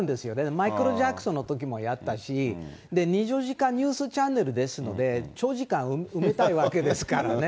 マイケル・ジャクソンのときもやったし、２４時間ニュースチャンネルですので、長時間埋めたいわけですからね。